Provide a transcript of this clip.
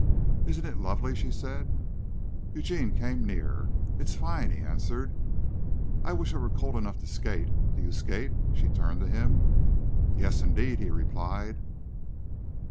"Isn't it lovely?" she said. Eugene came near. "It's fine," he answered. "I wish it were cold enough to skate. Do you skate?" She turned to him. "Yes, indeed," he replied.